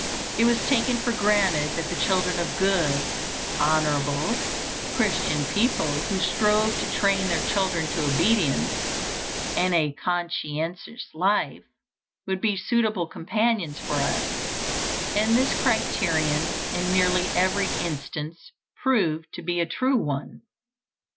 It was taken for granted that the children of good, honorable, Christian people, who strove to train their children to obedience and a conscientious life, would be suitable companions for us; and this criterion in nearly every instance proved to be a true one.